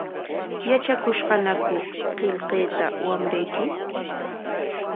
¿Yatrakushqañaku qillqayta wamrayki?